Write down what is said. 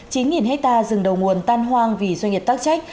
chín hectare rừng đầu nguồn tan hoang vì doanh nghiệp tác trách